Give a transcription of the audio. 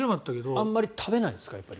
あまり食べないんですか？